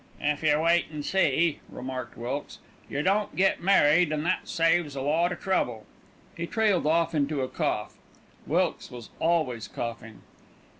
"If yer wait an' see," remarked Wilkes, "yer don't get married, an' that saves a lot of trouble." He trailed off into a cough. Wilkes was always coughing.